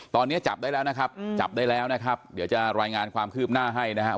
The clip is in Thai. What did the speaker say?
ตอนนี้จับได้แล้วนะครับจับได้แล้วนะครับเดี๋ยวจะรายงานความคืบหน้าให้นะครับ